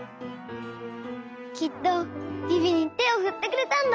きっとビビにてをふってくれたんだ！